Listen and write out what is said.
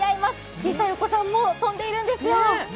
小さいお子さんも飛んでいるんですよ。